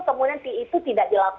kemudian di situ tidak dilakukan